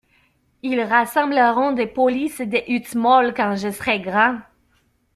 Ils rassembleront des polices et des huttes molles quand je serai grand.